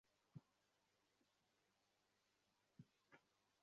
তিনি ব্রতচারী আন্দোলনের প্রতিষ্ঠাতা হিসেবে বহুল পরিচিত।